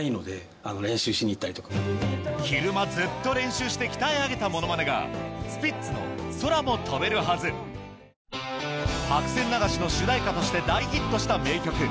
昼間ずっと練習して鍛え上げたものまねがスピッツの『空も飛べるはず』『白線流し』の主題歌として大ヒットした名曲